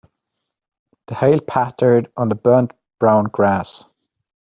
The hail pattered on the burnt brown grass.